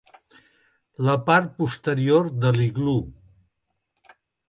La part posterior de l'iglú.